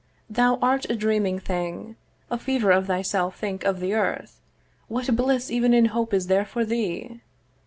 Thou art a dreaming thing, 'A fever of thyself think of the Earth; 'What bliss even in hope is there for thee?